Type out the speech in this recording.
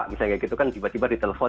misalnya kayak gitu kan tiba tiba ditelepon